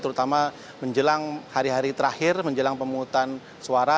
terutama menjelang hari hari terakhir menjelang pemungutan suara